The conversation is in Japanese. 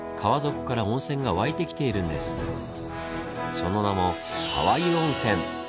その名も川湯温泉。